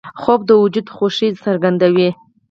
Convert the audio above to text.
خوب د وجود خوښي څرګندوي